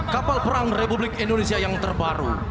kapal perang republik indonesia yang terbaru